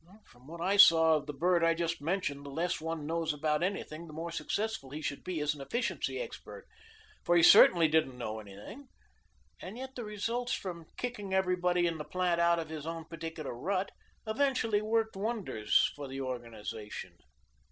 "From what I saw of the bird I just mentioned the less one knows about anything the more successful he should be as an efficiency expert, for he certainly didn't know anything. And yet the results from kicking everybody in the plant out of his own particular rut eventually worked wonders for the organization.